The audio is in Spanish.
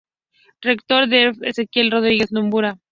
Rector: Dr. Hubert Ezequiel Rodríguez Nomura.